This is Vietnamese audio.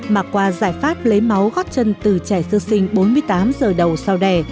mà qua giải pháp lấy máu gót chân từ trẻ sơ sinh bốn mươi tám giờ đầu sau đẻ